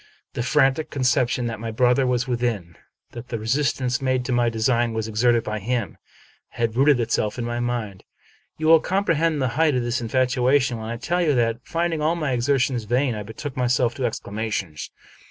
The frantic conception that my brother was within, that the re sistance made to my design was exerted by him, had rooted itself in my mind. You will comprehend the height of this infatuation, when I tell you that, finding all my exertions vain, I betook myself to exclamations.